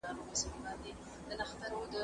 زه اوس د کتابتون لپاره کار کوم!